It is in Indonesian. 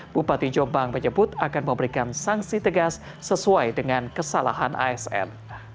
bupati jombang menyebut akan memberikan sanksi tegas sesuai dengan kesalahan asn